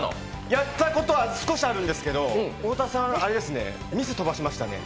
やったことは少しあるんですけど、太田さん、ミス飛ばしましたね。